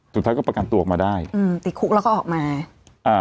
สุดท้ายก็ประกันตัวออกมาได้อืมติดคุกแล้วก็ออกมาอ่า